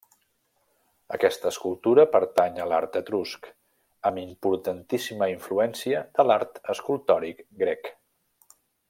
Aquesta escultura pertany a l'art etrusc, amb importantíssima influència de l'art escultòric grec.